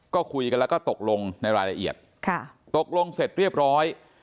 ก็คุยกันแล้วก็ตกลงในรายละเอียดค่ะตกลงเสร็จเรียบร้อย